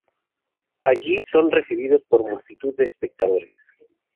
Allí son recibidos por multitud de espectadores.